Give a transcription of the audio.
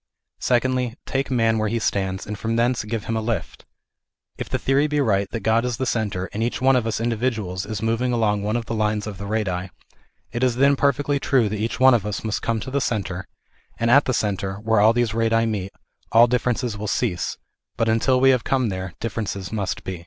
Secondly, take man where he stands, and from thence give him a lift. If the theory be right, that God is the centre, and each one of us individuals is moving along one of the lines of the radii, it is then per fectly true that each one of us must come to the centre ; and at the centre, where all these radii meet, all differences will cease, but until we have come there differences must be.